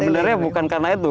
sebenarnya bukan karena itu